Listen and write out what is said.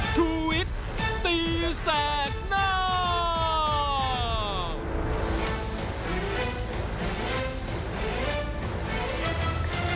ชุวิตตีแสดหน้า